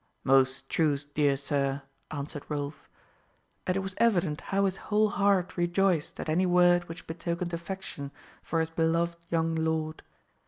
"Most true, dear sir," answered Rolf. And it was evident how his whole heart rejoiced at any word which betokened affection for his beloved young lord.